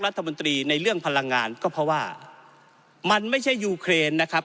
รัฐมนตรีในเรื่องพลังงานก็เพราะว่ามันไม่ใช่ยูเครนนะครับ